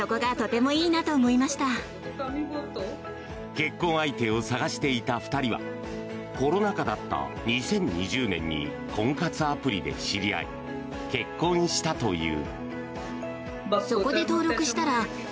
結婚相手を探していた２人はコロナ禍だった２０２０年に婚活アプリで知り合い結婚したという。